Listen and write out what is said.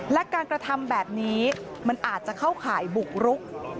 และการกระทำแบบนี้มันอาจจะเข้าข่ายบุกรุก